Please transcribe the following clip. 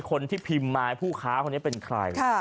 คนที่พิมพ์มาให้ผู้ค้าคนนี้เป็นใคร